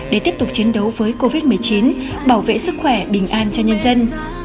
để tiếp tục chiến đấu với covid một mươi chín bảo vệ sức khỏe bình an cho nhân dân